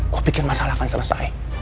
kok pikir masalah akan selesai